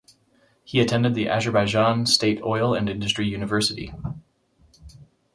He attended the Azerbaijan State Oil and Industry University.